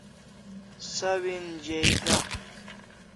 Sawin jaiga